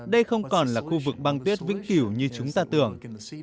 đây không còn là khu vực băng tuyết vĩnh cửu như chúng ta tưởng